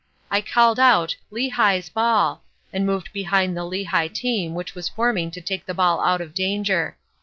I called out, 'Lehigh's ball,' and moved behind the Lehigh team which was forming to take the ball out of danger.